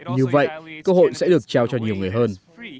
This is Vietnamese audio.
như vậy cơ hội sẽ được trao cho nhiều người hơn